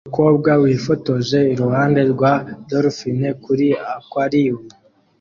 Umukobwa wifotoje iruhande rwa dolphine kuri aquarium